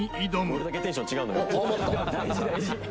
俺だけテンション違う。